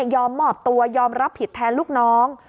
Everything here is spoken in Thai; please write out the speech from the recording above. มอบตัวยอมรับผิดแทนลูกน้อง